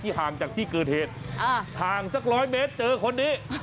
ห่างจากที่เกิดเหตุห่างสักร้อยเมตรเจอคนนี้